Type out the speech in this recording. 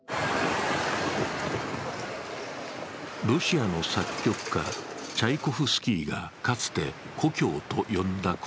ロシアの作曲家・チャイコフスキーがかつて故郷と呼んだ